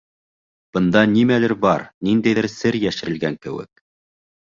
Бында нимәлер бар, ниндәйҙер сер йәшерелгән кеүек.